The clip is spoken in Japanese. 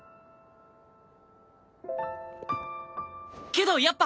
けどやっぱ。